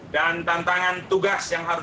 dan tantangan tugas yang hadir